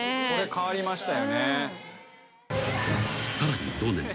［さらに同年。